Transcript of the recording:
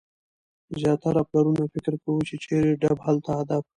زیاتره پلرونه فکر کوي، چي چيري ډب هلته ادب.